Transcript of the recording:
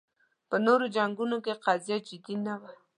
په نورو جنګونو کې قضیه جدي نه وه